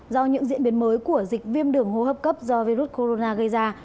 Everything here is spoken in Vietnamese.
do những diễn biến mới của dịch viêm đường hô hấp cấp do virus corona gây ra